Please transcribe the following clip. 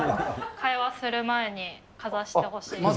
会話する前にかざしてほしいんです。